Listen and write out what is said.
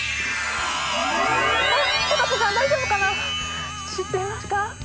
高瀬さん、大丈夫かな知ってますか。